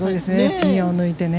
ピンを抜いてね。